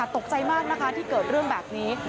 ตกใจมากนะคะที่เกิดเรื่องแบบนี้